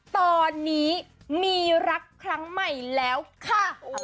ตอนนี้มีรักครั้งใหม่แล้วค่ะ